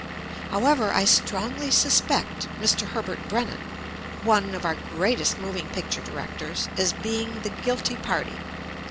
However, I strongly suspect Mr. Herbert Brenon (one "of our greatest moving picture directors) as being the guilty party.